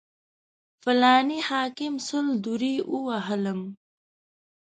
فلاني حاکم سل درې ووهلم.